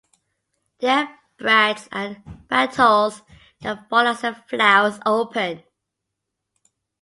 There are bracts and bracteoles that fall as the flowers open.